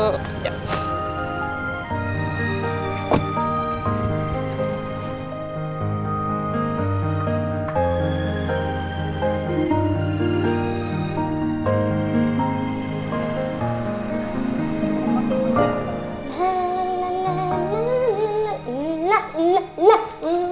nah nah nah